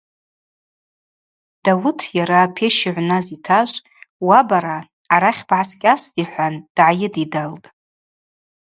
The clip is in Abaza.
Дауыт йара апещ йыгӏвназ йтажв – уа бара, арахь бгӏаскӏьастӏ,–йхӏван дгӏайыдидалтӏ.